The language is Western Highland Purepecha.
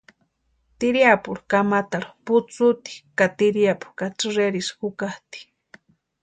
Tiriapu kamatarhu putsuti ka tiriapu ka tsïrerisï jukatʼi.